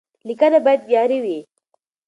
لیکنه باید معیاري وي.